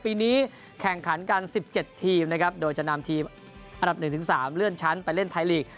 ปีนี้แข่งขันกัน๑๗ทีมนะครับโดยจะนำทีมอันดับ๑๓เลื่อนชั้นไปเล่นไทยลีก